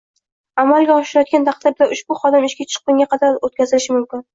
amalga oshirilayotgan taqdirda ushbu xodim ishga chiqquniga qadar o‘tkazilishi mumkin.